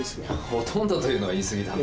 「ほとんど」と言うのは言い過ぎだな。